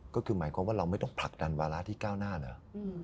ก็คือหมายความว่าเราไม่ต้องผลักดันวาระที่ก้าวหน้าเหรอ